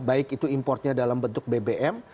baik itu importnya dalam bentuk bbm